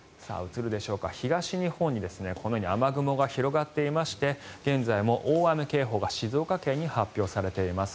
東日本にこのように雨雲が広がっていまして現在も大雨警報が静岡県に発表されています。